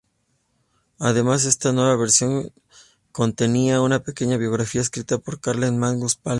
Además, esta nueva versión contenía una pequeña biografía escrita por Carl Magnus Palm.